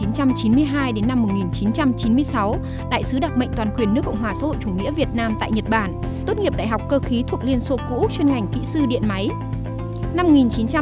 năm một nghìn chín trăm chín mươi hai đến năm một nghìn chín trăm chín mươi sáu đại sứ đặc mệnh toàn quyền nước cộng hòa xã hội chủ nghĩa việt nam tại nhật bản